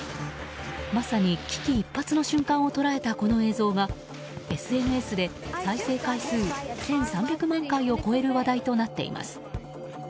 まさに危機一髪の瞬間を捉えたこの映像がＳＮＳで再生回数１３００万回を超える話題となっています。